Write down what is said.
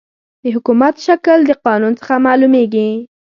د حکومت شکل د قانون څخه معلوميږي.